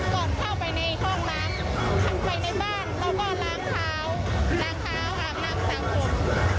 ก่อนเข้าไปในห้องล้างไปในบ้านเราก็ล้างเท้า